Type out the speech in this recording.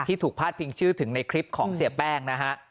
ถูกพาดพิงชื่อถึงในคลิปของเสียแป้งนะฮะ